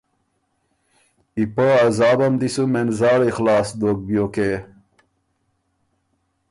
ای پۀ عذابم دی سُو مېن زاړئ خلاص دوک بیوکې